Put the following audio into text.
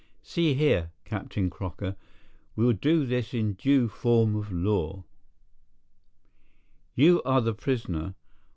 See here, Captain Crocker, we'll do this in due form of law. You are the prisoner.